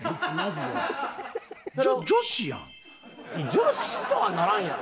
女子とはならんやろ。